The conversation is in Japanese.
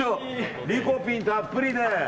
リコピンたっぷりで。